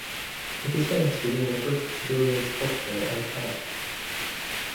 It is famous for being the first civilian sculpture in Ankara.